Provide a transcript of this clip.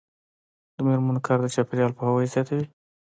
د میرمنو کار د چاپیریال پوهاوي زیاتوي.